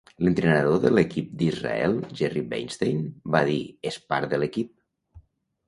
L'entrenador de l'equip d'Israel Jerry Weinstein va dir: "És part de l'equip".